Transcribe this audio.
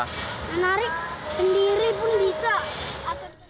yang narik sendiri pun bisa